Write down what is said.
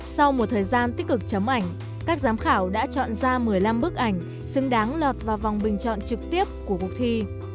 sau một thời gian tích cực chấm ảnh các giám khảo đã chọn ra một mươi năm bức ảnh xứng đáng lọt vào vòng bình chọn trực tiếp của cuộc thi